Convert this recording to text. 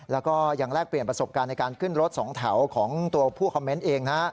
แล้วก็ยังแลกเปลี่ยนประสบการณ์ในการขึ้นรถสองแถวของตัวผู้คอมเมนต์เองนะฮะ